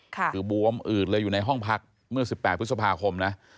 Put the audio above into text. คือบวมอืดเลยอยู่ในห้องพักเมื่อ๑๘พฤษภาคมนะ